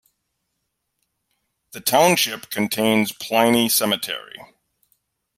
The township contains Pliny Cemetery.